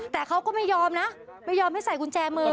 แต่เขาก็ไม่ยอมนะไม่ยอมให้ใส่กุญแจมือ